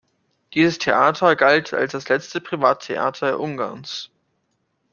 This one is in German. Dieses Theater galt als das letzte 'Privattheater' Ungarns.